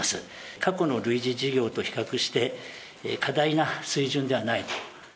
過去の類似事業と比較して、過大な水準ではない。